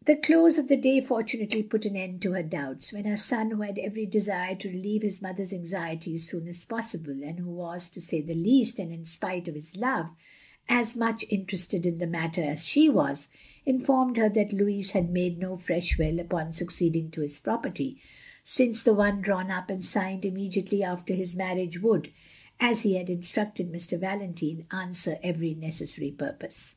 But the close of the day fortunately put an end to her doubts; when her son — ^who had every desire to relieve his mother's anxiety as soon as possible, and who was, to say the least, and in spite of his love, as much interested in the matter as she was — ^informed her that Louis had made no fresh will upon succeeding to his property, since the one drawn up and signed immediately after his marriage would, as he had instructed Mr. Valentine, answer every necessary purpose.